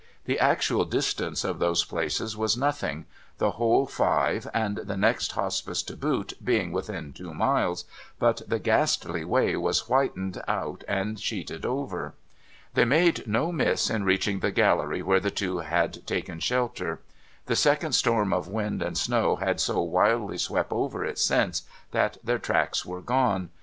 The actual distance of those places was nothing ; the whole five, and the next Hospice to boot, being within two miles ; but the ghastly way was whitened out and sheeted over. They made no miss in reaching the Gallery where the two had taken shelter. The second storm of wind and snow had so wildly swept over it since, that their tracks were gone.